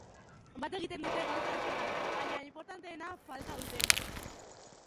Bat egiten dute gauza askotan, baina inportanteena falta dute.